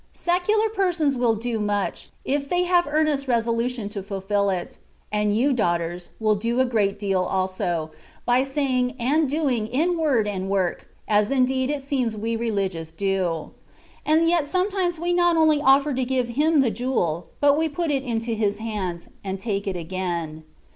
Secular persons will do much, if they have earnest resolution to fulfil it : and you, daughters, will do a great deal also, by saying and by doing in word and work, as indeed it seems we Religious do. And yet sometimes we not only offer to give Him the jewel, but we put it into His hands, and take it again.